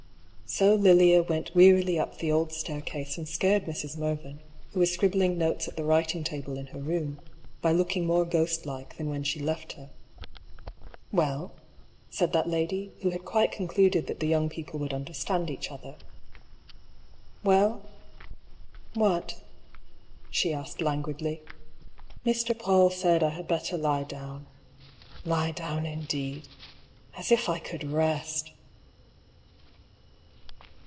So Lilia went wearily up the old staircase and scared Mrs. Mervyn, who was scribbling notes at the writing table in her room, by looking more ghostlike than when she left her. " Well ?" said that lady, who had quite concluded that the young people would understand each other. "Well? What?" ahe asked languidly. "Mr. Paull said I had better lie down. Lie down, indeed ! As if I could rest